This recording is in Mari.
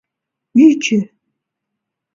Ӱчӧ!..